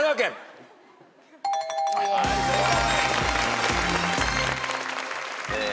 はい正解。